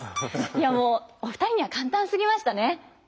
いやもうお二人には簡単すぎましたね。